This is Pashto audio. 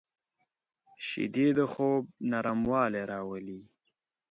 شیدې د خوب نرموالی راولي